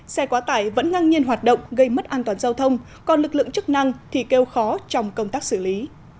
xe quá tải vẫn ngang nhiên hoạt động gây mất an toàn giao thông còn lực lượng chức năng thì kêu khó trong công tác xử lý